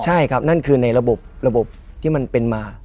ใช่ครับนั่นคือในระบบระบบที่มันเป็นมา